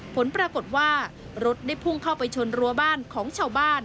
ผลปรากฏว่ารถได้พุ่งเข้าไปชนรัวบ้านของชาวบ้าน